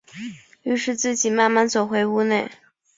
於是自己慢慢走回屋内